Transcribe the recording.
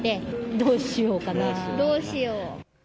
どうしよう。